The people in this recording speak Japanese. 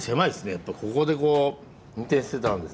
やっぱここでこう運転してたんですね。